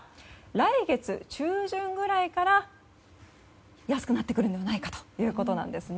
来月中旬くらいから安くなってくるのではないかということです。